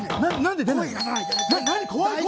何で出ないの！？